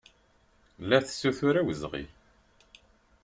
La tessutur awezɣi.